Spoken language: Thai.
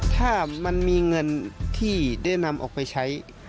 ถ้ามันมีเงินที่ได้นำออกไปใช้